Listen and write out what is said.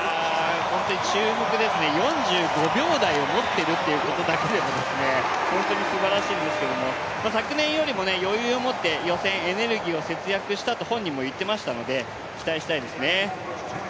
注目ですね、４５秒台を持っているということだけでもホントにすばらしいんですけど、昨年よりも余裕を持って予選、エネルギーを節約したと本人も言っていましたので期待したいですね。